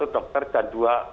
satu dokter dan dua